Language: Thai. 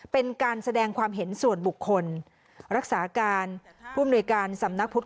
เป็นการแสดงความเห็นส่วนบุคคลรักษาการผู้มนุยการสำนักพุทธ